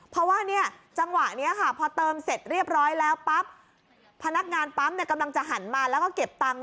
เพราะว่าเนี่ยจังหวะนี้ค่ะพอเติมเสร็จเรียบร้อยแล้วปั๊บพนักงานปั๊มกำลังจะหันมาแล้วก็เก็บตังค์